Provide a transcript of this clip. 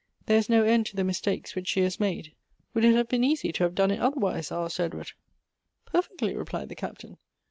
There is no end to the mistakes which she has made." " Would it have been easy to have done it otherwise ?" asked Edward. " Perfectly," replied the Captain.